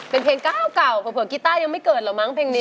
เป็นเพลงก้าวเก่าเผลอกีต้ายังไม่เกิดหรอกมั้งเพลงนี้